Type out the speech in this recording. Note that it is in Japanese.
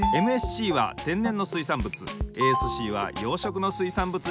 ＭＳＣは天然の水産物ＡＳＣは養殖の水産物についてます。